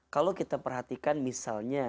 kalau kita perhatikan misalnya